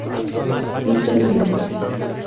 Peter Velásquez.